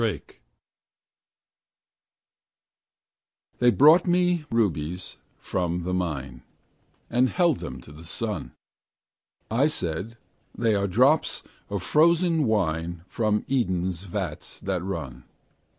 RUBIES They brought me rubies from the mine, And held them to the sun; I said, they are drops of frozen wine From Eden's vats that run.